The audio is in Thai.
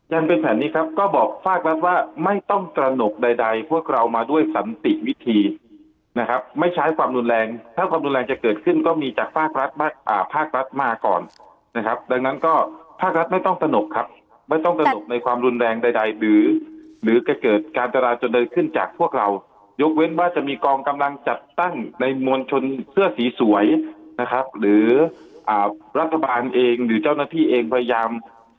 ยังเป็นแผนนี้ครับก็บอกภาครัฐว่าไม่ต้องตระหนกใดพวกเรามาด้วยสันติวิธีนะครับไม่ใช้ความรุนแรงถ้าความรุนแรงจะเกิดขึ้นก็มีจากภาครัฐมาก่อนนะครับดังนั้นก็ภาครัฐไม่ต้องตระหนกครับไม่ต้องตระหนกในความรุนแรงใดหรือจะเกิดการตราจนเดินขึ้นจากพวกเรายกเว้นว่าจะมีกองกำลังจัดตั้งในม